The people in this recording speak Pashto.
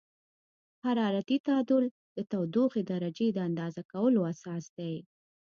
حرارتي تعادل د تودوخې درجې د اندازه کولو اساس دی.